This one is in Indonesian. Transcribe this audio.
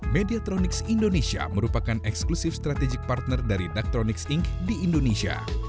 mediatronics indonesia merupakan eksklusive strategic partner dari daktronics inc di indonesia